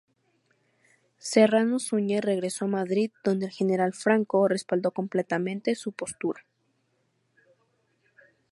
Serrano Suñer regresó a Madrid donde el general Franco respaldó completamente su postura.